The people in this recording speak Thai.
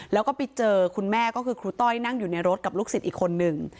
แล้วก็ไปเจอคุณแม่ก็คือครูต้อยนั่งอยู่ในรถกับลูกศิษย์อีกคนนึง